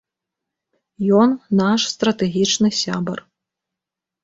Ён наш стратэгічны сябар.